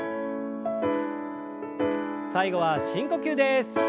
最後は深呼吸です。